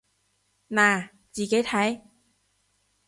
嗱，自己睇